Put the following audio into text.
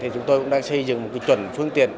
chúng tôi cũng đang xây dựng một chuẩn phương tiện